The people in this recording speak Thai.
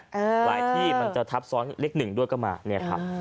หลายที่มันจะทับซ้อนเลขหนึ่งด้วยก็มาเนี่ยครับ